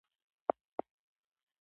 انګریزان مړي پرېښودلي وو.